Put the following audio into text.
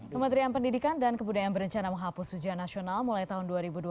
kementerian pendidikan dan kebudayaan berencana menghapus ujian nasional mulai tahun dua ribu dua puluh